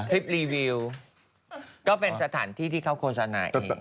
รีวิวก็เป็นสถานที่ที่เขาโฆษณาเอง